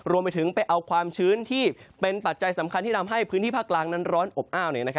รวมไปถึงไปเอาความชื้นที่เป็นปัจจัยสำคัญที่ทำให้พื้นที่ภาคกลางนั้นร้อนอบอ้าว